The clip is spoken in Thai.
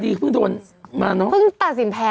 คดีก็เพิ่งโดนมาเนาะ